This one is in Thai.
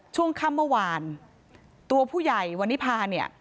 ช่วงค่ำเมื่อวานตัวผู้ใหญ่วันนี้พาเนี่ย